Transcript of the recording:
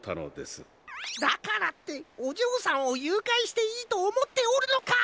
だからっておじょうさんをゆうかいしていいとおもっておるのか！？